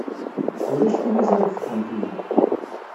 Ulac tiliẓri deg texxamt-inu.